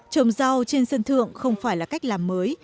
trồng rau trên sân thượng không phải là cách làm mới